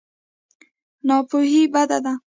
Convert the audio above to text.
ناپوهي بده ده.